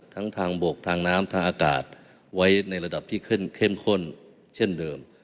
ทั้งทางบกทางน้ำทางอากาศไว้ในระดับที่เข้มข้นเช่นเดิม